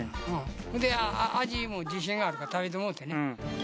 ほんで味も自信があるから食べてもうてね。